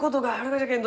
じゃけんど